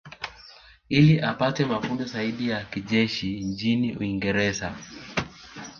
Ili apate mafunzo zaidi ya kijeshi nchini Uingereza